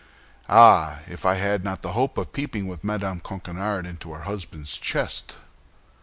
Ah! if I had not the hope of peeping with Madame Coquenard into her husband's chest!"